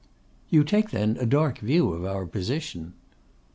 'You take, then, a dark view of our position?